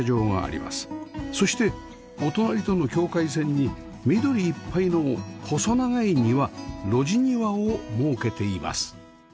そしてお隣との境界線に緑いっぱいの細長い庭路地庭を設けています